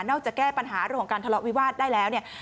จะแก้ปัญหาเรื่องของการทะเลาะวิวาสได้แล้วเนี่ย